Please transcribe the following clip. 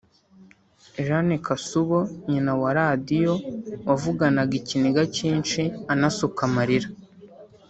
Jane Kasubo nyina wa Radio wavuganaga ikiniga cyinshi anasuka amarira